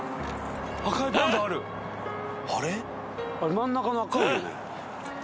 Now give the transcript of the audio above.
真ん中の赤いよね？